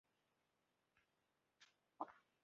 康熙二年癸卯科江南乡试第九名举人。